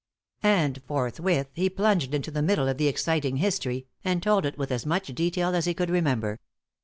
And forthwith he plunged into the middle of the exciting history, and told it with as much detail as he could remember.